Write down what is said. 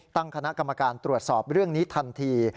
ตั้งคณะกรรมการตรวจสอบเรื่องนี้ทันที